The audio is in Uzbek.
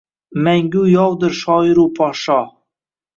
Mangu yovdir shoiru-podshoh